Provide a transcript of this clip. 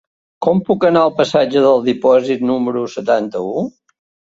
Com puc anar al passatge del Dipòsit número setanta-u?